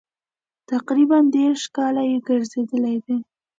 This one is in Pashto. تقریبا دېرش کاله یې ګرځېدلي دي.